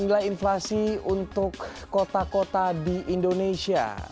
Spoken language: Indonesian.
nilai inflasi untuk kota kota di indonesia